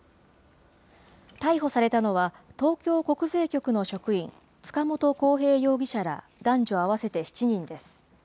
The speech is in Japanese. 逮捕されたのは、東京国税局の職員、塚本晃平容疑者ら男女合わせて７人です。